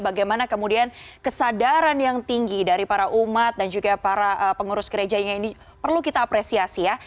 bagaimana kemudian kesadaran yang tinggi dari para umat dan juga para pengurus gereja ini perlu kita apresiasi ya